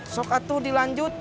sokat tuh dilanjut